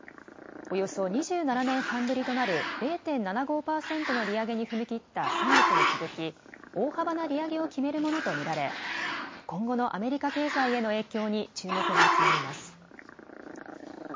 およそ２７年半ぶりとなる０．７５％の利上げに踏み切った先月に続き、大幅な利上げを決めるものと見られ、今後のアメリカ経済への影響に注目が集まります。